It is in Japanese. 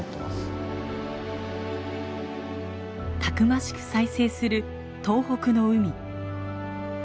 たくましく再生する東北の海。